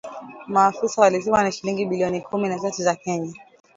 Maafisa walisema ni shilingi bilioni kumi na tatu za Kenya